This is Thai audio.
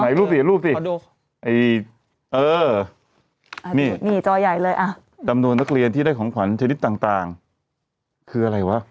ให้ลูบสิจำนวนนักเรียนที่ได้ของขวัญชนิดต่างคืออะไรวะ